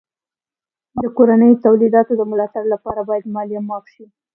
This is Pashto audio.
د کورنیو تولیداتو د ملا تړ لپاره باید مالیه معاف سي.